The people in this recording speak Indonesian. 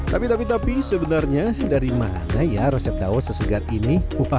tapi tapi tapi sebenarnya dari mana ya resep daun sesegar ini